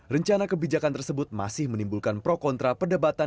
rencana kebijakan tersebut masih menimbulkan pro kontra perdebatan